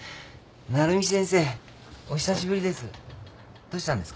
鳴海先生お久しぶりです。